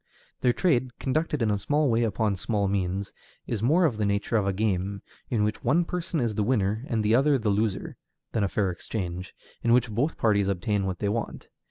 Their trade, conducted in a small way upon small means, is more of the nature of a game, in which one person is the winner and the other the loser, than a fair exchange, in which both parties obtain what they want.